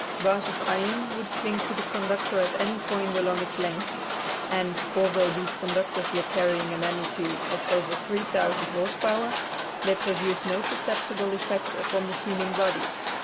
Bars of iron would cling to the conductor at any point along its length, and, although these conductors were carrying an energy of over 3000 horse power, they produced no perceptible effect upon the human body.